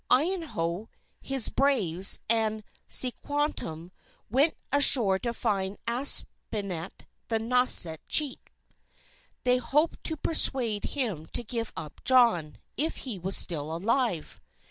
Iyanough, his braves, and Tisquantum, went ashore to find Aspinet the Nauset Chief. They hoped to persuade him to give up John, if he was still alive.